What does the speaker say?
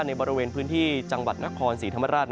ในบริเวณพื้นที่จังหวัดนครศรีธรรมราช